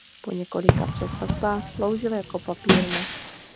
Po několika přestavbách sloužil jako papírna.